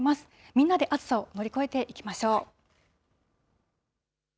みんなで暑さを乗り越えていきましょう。